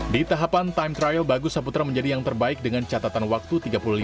di tahapan time trial bagusaputra menjadi yang terbaik dengan catatan waktu tiga puluh lima tiga puluh enam